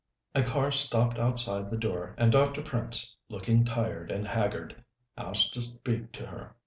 A car stopped outside the door, and Dr. Prince, looking tired and haggard, asked to speak to her.